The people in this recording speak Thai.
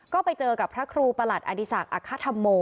ก็ไปเจอกับพระครูประหลัดอธิสักษ์อคทธมโม